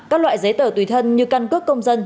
các loại giấy tờ tùy thân như căn cước công dân